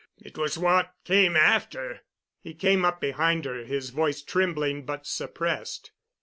It was what came after——" He came up behind her, his voice trembling but suppressed.